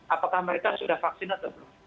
apakah mereka sudah vaksin atau belum